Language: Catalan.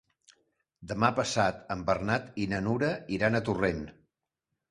Demà passat en Bernat i na Nura iran a Torrent.